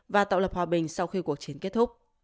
và tạo lập hòa bình sau khi cuộc chiến kết thúc